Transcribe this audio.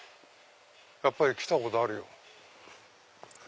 やっぱり来たことあるよ。